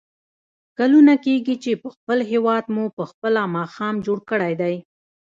کلونه کېږي چې په خپل هېواد مو په خپله ماښام جوړ کړی دی.